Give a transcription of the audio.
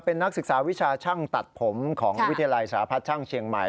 เป็นนักศึกษาวิชาช่างตัดผมของวิทยาลัยสาพัฒน์ช่างเชียงใหม่